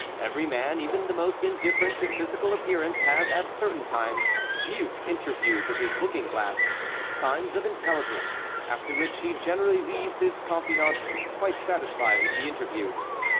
Every man, even the most indifferent to physical appearance, has, at certain times, mute interviews with his looking glass, signs of intelligence, after which he generally leaves his confidant, quite satisfied with the interview.